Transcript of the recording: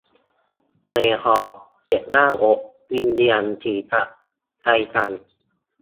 เหนื่อยหอบ เจ็บหน้าอก วิงเวียนศีรษะ ใจสั่น